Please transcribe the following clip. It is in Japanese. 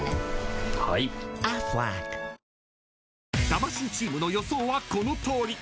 ［魂チームの予想はこのとおり。